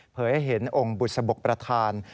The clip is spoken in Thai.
ให้เห็นองค์บุษบกประธาน